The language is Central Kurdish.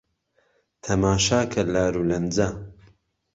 تهماشا که لارولهنجه